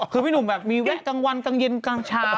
คือพี่หนุ่มแบบมีแวะกลางวันกลางเย็นกลางเช้า